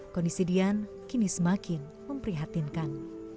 kondisi dian kini semakin memprihatinkan